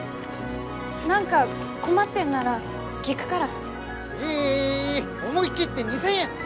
何か困ってんなら聞くから。え思い切って２，０００円！